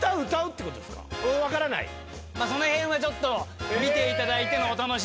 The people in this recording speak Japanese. その辺はちょっと見ていただいてのお楽しみと。